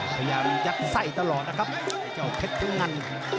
พยายามยับไส้ตลอดนะครับเนี่ยเจ้าเพททั้งนั้น